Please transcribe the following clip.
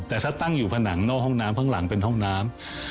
แต่ถ้าตั้งอยู่ผนังนอกห้องน้ำข้างหลังเป็นห้องน้ำ